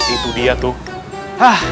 itu dia tuh